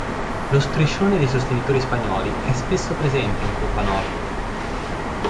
Lo striscione dei sostenitori spagnoli è spesso presente in Curva Nord.